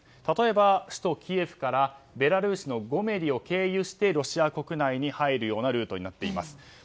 例えば、首都キエフからベラルーシのゴメリを経由してロシア国内に入るようなルートになっています。